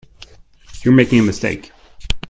You are making a mistake.